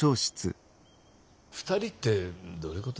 ２人ってどういうこと？